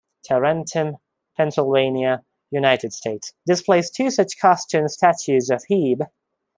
Tarentum, Pennsylvania, United States displays two such cast stone statues of Hebe.